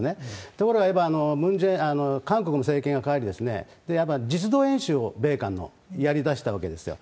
ところが今、韓国の政権が代わり、実働演習を、米韓の、やりだしたわけですよ。